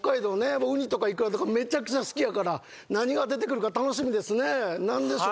僕ウニとかイクラとかめちゃくちゃ好きやから何が出てくるか楽しみですね何でしょう？